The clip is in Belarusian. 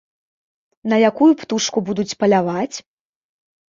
На якую птушку будуць паляваць?